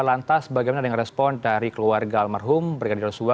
lantas bagaimana dengan respon dari keluarga almarhum birgadi rosua